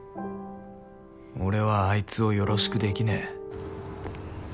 俺はあいつをよろしくできねぇ。